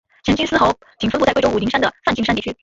黔金丝猴仅分布在贵州武陵山的梵净山地区。